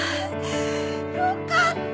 よかった！